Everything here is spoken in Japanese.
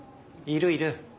いるいる。